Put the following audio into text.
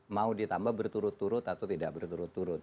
mau ditambah berturut turut atau tidak berturut turut